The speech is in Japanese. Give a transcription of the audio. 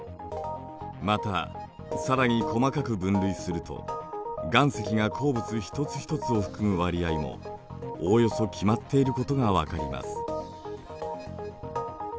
また更に細かく分類すると岩石が鉱物一つひとつを含む割合もおおよそ決まっていることが分かります。